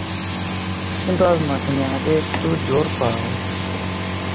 কিন্তু আজ নয়, তুমি আগে একটু জোর পাও।